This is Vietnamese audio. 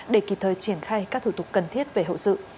để kịp thời triển khai các thủ tục cần thiết về hậu sự